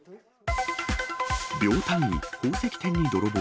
秒単位、宝石店に泥棒。